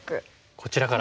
こちらから。